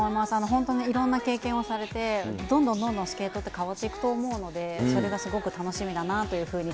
本当にいろんな経験をされて、どんどんどんどんスケートって変わっていくと思うので、それがすごく楽しみだなというふうに。